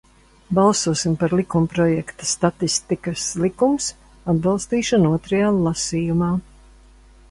"Balsosim par likumprojekta "Statistikas likums" atbalstīšanu otrajā lasījumā!"